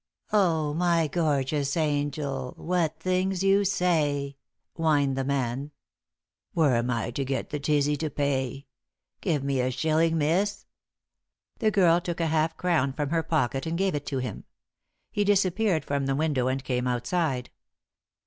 "Oh, my gorgeous angel, what things you say!" whined the man. "Where am I to get the tizzy to pay? Give me a shilling, Miss." The girl took a half crown from her pocket and gave it to him. He disappeared from the window and came outside.